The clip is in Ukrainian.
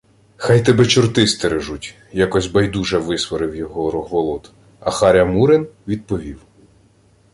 — Хай тебе чорти стережуть, — якось байдуже висварив його Рогволод, а Харя Мурин відповів: